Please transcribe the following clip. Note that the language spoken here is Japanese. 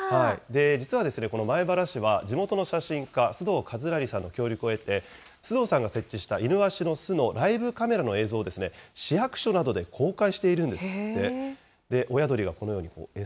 実はですね、この米原市は地元の写真家、須藤一成さんの協力を得て、須藤さんが設置したイヌワシの巣のライブカメラの映像を市役所などで公開しているんですって。